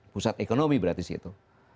pusat ekonomi berarti sih itu